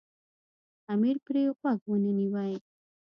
امیر پرې غوږ ونه نیوی.